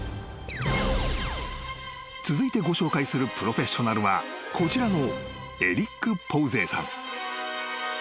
［続いてご紹介するプロフェッショナルはこちらのエリック・ポウゼーさん］